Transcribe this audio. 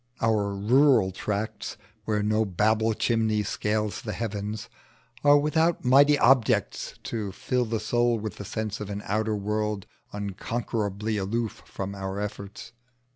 Our rural tracts where no Babel chimney scales the heavens are without mighty objects to fill the soul with the sense of an outer world unconquerably aloof from our efforts.